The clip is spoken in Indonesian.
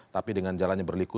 tapi dengan jalannya berliku